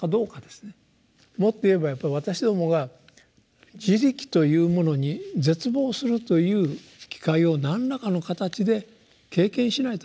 もっと言えばやっぱり私どもが「自力」というものに絶望するという機会を何らかの形で経験しないとだめですね。